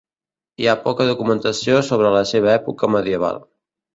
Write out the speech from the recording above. Hi ha poca documentació sobre la seva època medieval.